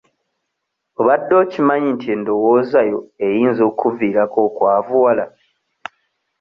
Obadde okimanyi nti endowoozayo eyinza okkuviirako okwavuwala?